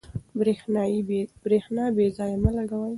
برېښنا بې ځایه مه لګوئ.